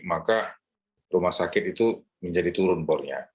maka rumah sakit itu menjadi turun bornya